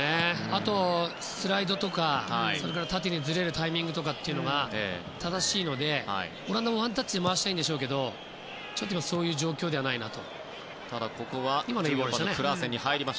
あと、スライドとか縦にずれるタイミングとかが正しいのでオランダもワンタッチで回したいんでしょうけどそういう状況ではないですね。